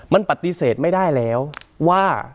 มันปฏิเสธไม่ได้แล้วว่า